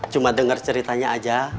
cuma dengar ceritanya aja